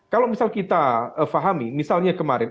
kalau misal kita fahami misalnya kemarin